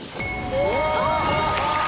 お！